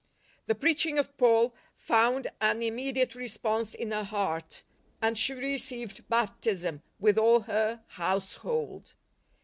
The preaching of Paul found an immediate re sponse in her heart, and she received baptism 63 LIFE OF ST. PAUL with all her household.